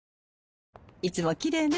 いつもきれいね。